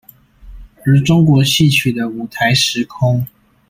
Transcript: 而中國戲曲的舞臺時空